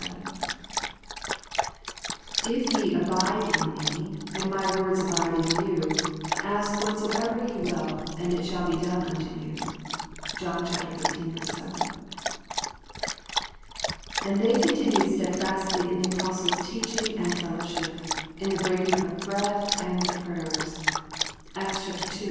^^ If ye abide in 31e, and My words abide in you, ask whatsoever ye will, and it shall be done unto you. ''— John 15 : 7. " And they continued stedfastly in the Apostles^ teaching and fellowship, in the breaking of bread and the prayers,^ ^— Acts 2 : 42.